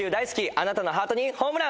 あなたのハートにホームラン！